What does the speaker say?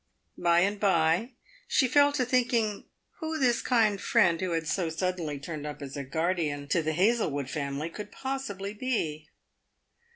By and by, she fell to thinking who this kind friend who had so suddenly turned up as a guardian to the Hazlewood family could possibly be.